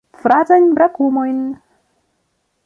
Fratajn brakumojn!